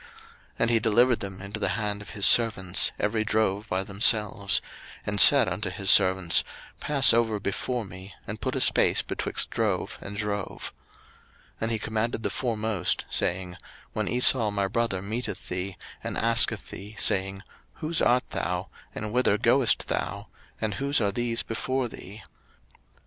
01:032:016 And he delivered them into the hand of his servants, every drove by themselves; and said unto his servants, Pass over before me, and put a space betwixt drove and drove. 01:032:017 And he commanded the foremost, saying, When Esau my brother meeteth thee, and asketh thee, saying, Whose art thou? and whither goest thou? and whose are these before thee?